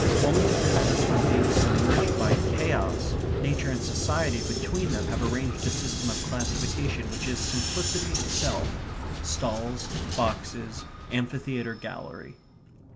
Only to prevent us from being submerged by chaos, nature and society between them have arranged a system of classification which is simplicity itself; stalls, boxes, amphitheatre, gallery.